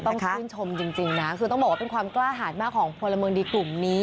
ต้องชื่นชมจริงนะคือต้องบอกว่าเป็นความกล้าหาดมากของพลเมืองดีกลุ่มนี้